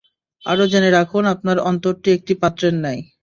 আরো জেনে রাখুন, আপনার অন্তরটি একটি পাত্রের ন্যায়।